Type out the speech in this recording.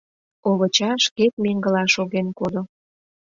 Овыча шкет меҥгыла шоген кодо.